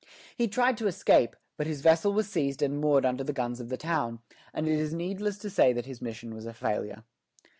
He tried to escape; but his vessel was seized and moored under the guns of the town, and it is needless to say that his mission was a failure.